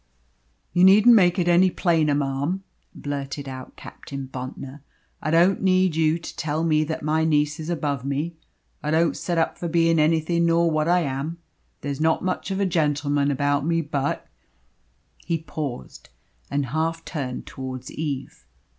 "You needn't make it any plainer, marm," blurted out Captain Bontnor. "I don't need you to tell me that my niece is above me. I don't set up for bein' anything nor what I am. There's not much of the gentleman about me. But " He paused, and half turned towards Eve.